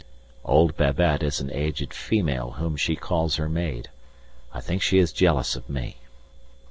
Old Babette is an aged female whom she calls her maid. I think she is jealous of me.